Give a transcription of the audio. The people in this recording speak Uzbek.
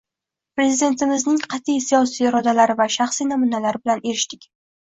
Prezidentimizning qatʼiy siyosiy irodalari va shaxsiy namunalari bilan erishdik.